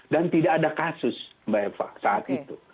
dan tidak ada kasus mbak eva saat itu